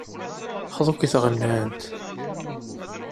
Xḍu-k i tɣennant.